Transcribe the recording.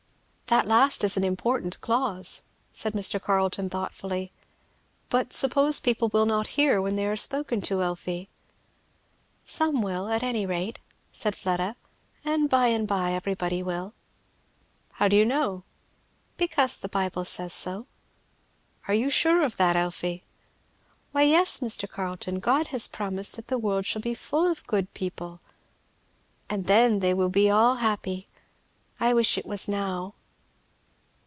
"That last is an important clause," said Mr. Carleton thoughtfully. "But suppose people will not hear when they are spoken to, Elfie?" "Some will, at any rate," said Fleda, "and by and by everybody will." "How do you know?" "Because the Bible says so." "Are you sure of that, Elfie?" "Why yes, Mr. Carleton God has promised that the world shall be full of good people, and then they will be all happy. I wish it was now."